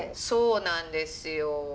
そうなんですよ。